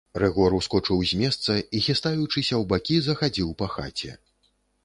Рыгор ускочыў з месца і, хістаючыся ў бакі, захадзіў па хаце.